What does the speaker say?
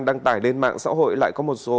đăng tải lên mạng xã hội lại có một số